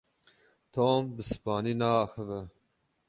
Tom bi Spanî naaxive.